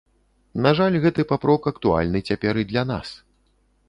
На жаль, гэты папрок актуальны цяпер і для нас.